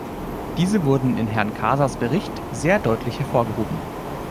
Diese wurden in Herrn Casas Bericht sehr deutlich hervorgehoben.